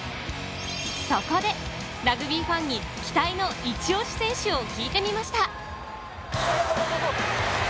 そこでラグビーファンに期待のイチオシ選手を聞いてみました！